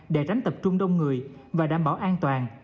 để tránh tập trung đông người và đảm bảo an toàn